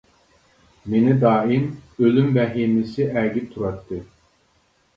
مېنى دائىم ئۆلۈم ۋەھىمىسى ئەگىپ تۇراتتى.